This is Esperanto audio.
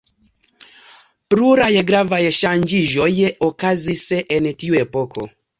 Pluraj gravaj ŝanĝiĝoj okazis en tiu epoko.